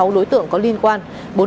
năm mươi sáu đối tượng có liên quan